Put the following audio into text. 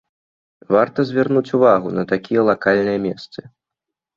Варта звярнуць увагу на такія лакальныя месцы.